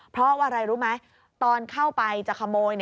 เพราะว่าอะไรรู้ไหมตอนเข้าไปจะขโมย